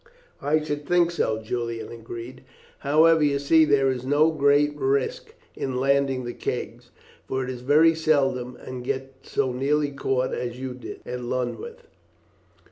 "I should think so," Julian agreed. "However, you see there is no great risk in landing the kegs, for it is very seldom you get so nearly caught as you did at Lulworth.